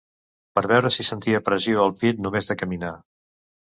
Per veure si sentia pressió al pit només de caminar.